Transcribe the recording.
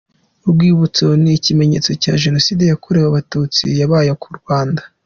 Urwibutso ni ikimenyetso cya Jenoside yakorewe Abatutsi yabaye ku Rwanda.